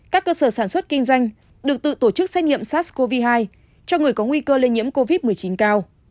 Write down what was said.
các cơ sở sản xuất kinh doanh được tự tổ chức xét nghiệm sars cov hai cho người có nguy cơ lây nhiễm covid một mươi chín cao